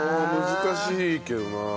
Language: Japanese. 難しいけどな。